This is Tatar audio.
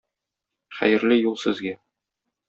Хәерле юл сезгә!